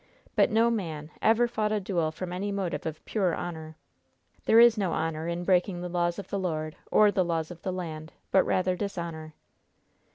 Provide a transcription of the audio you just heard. But no man ever fought a duel from any motive of pure honor. There is no honor in breaking the laws of the Lord, or the laws of the land, but rather dishonor.